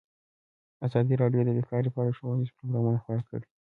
ازادي راډیو د بیکاري په اړه ښوونیز پروګرامونه خپاره کړي.